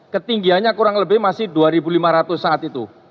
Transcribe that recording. ketinggiannya kurang lebih masih dua lima ratus saat itu